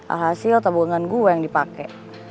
alhasil tabungan gue yang dipakai